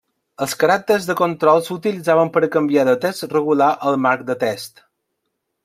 Els caràcters de control s'utilitzaven per canviar de text regular al marc de text.